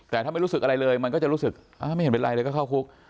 แต่ถ้าไม่รู้สึกอะไรเลยมันก็จะรู้สึกไม่เห็นเป็นไรเลยก็เข้าคุก